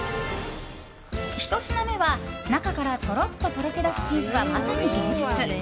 １品目は、中からとろっととろけだすチーズはまさに芸術！